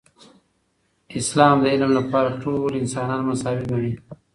اسلام د علم لپاره ټول انسانان مساوي ګڼي.